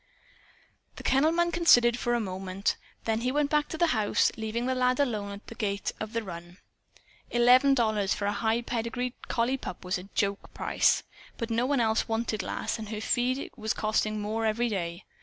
The kennel man considered for a moment. Then he went back to the house, leaving the lad alone at the gate of the run. Eleven dollars, for a high pedigreed collie pup, was a joke price. But no one else wanted Lass, and her feed was costing more every day.